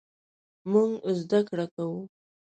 مونږ زده کړه کوو